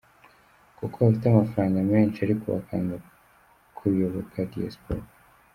Kuba bafite amafaranga menshi ariko bakanga kuyoboka Diaspora